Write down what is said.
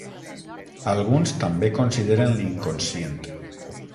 Alguns també consideren l'inconscient.